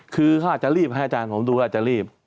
คือเขาอาจจะรีบให้อาจารย์ผมดูอาจจะรีบ